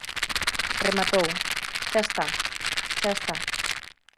Rematou, xa está, xa está.